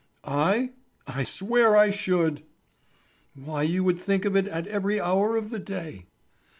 "I? I swear I should." "Why you would think of it at every hour of the day."